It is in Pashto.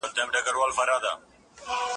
مهاجرتونه سوي دي او لسګونه نوري ستونزي سته،